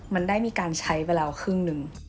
มันได้มีการใช้เวลาครึ่งหนึ่ง